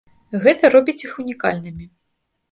Гэта робіць іх унікальнымі.